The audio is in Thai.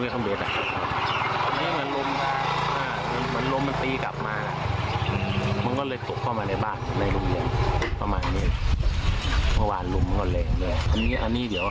แก่ลมมันตี้กับมากมันก็เลยตกเข้ามาในบ้านในโรงเรียน